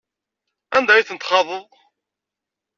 Anda ay tent-txaḍeḍ?